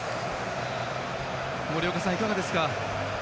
森岡さん、いかがですか。